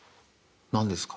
何ですか？